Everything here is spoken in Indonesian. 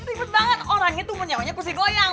teribet banget orangnya tuh menyawanya kursi goyang